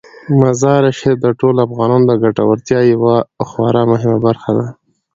مزارشریف د ټولو افغانانو د ګټورتیا یوه خورا مهمه برخه ده.